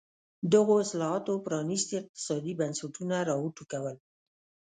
دغو اصلاحاتو پرانېستي اقتصادي بنسټونه را وټوکول.